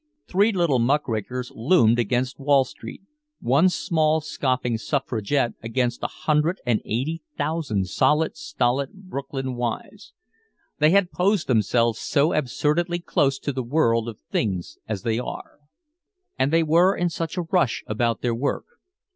Three little muckrakers loomed against Wall Street, one small, scoffing suffragette against a hundred and eighty thousand solid stolid Brooklyn wives. They had posed themselves so absurdly close to the world of things as they are. And they were in such a rush about their work.